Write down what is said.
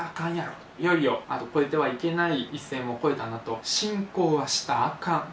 いよいよ越えてはいけない一線を越えたなと、侵攻はしたらあかん。